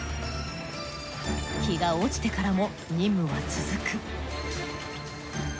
日が落ちてからも任務は続く。